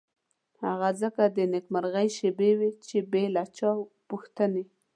هغه ځکه د نېکمرغۍ شېبې وې چې بې له چا پوښتنې.